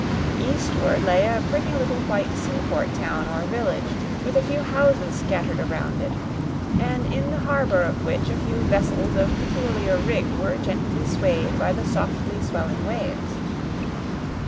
Eastward lay a pretty little white seaport town or village, with a few houses scattered around it, and in the harbour of which a few vessels of peculiar rig were gently swayed by the softly swelling waves.